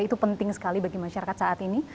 itu penting sekali bagi masyarakat saat ini